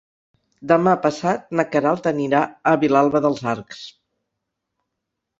Demà passat na Queralt anirà a Vilalba dels Arcs.